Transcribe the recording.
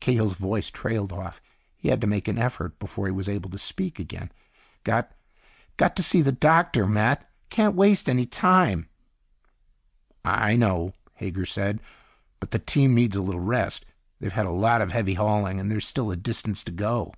Cahill's voice trailed off. He had to make an effort before he was able to speak again. "Got ... got to see the doctor, Matt. Can't waste any time." "I know," Hager said. "But the team needs a little rest. They've had a lot of heavy hauling, and there's still a distance to go."